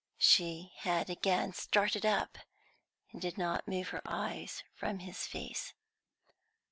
She had again started up, and did not move her eyes from his face.